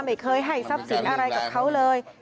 ไม่เคยให้ทรัพย์สินอะไรกับเขาเลย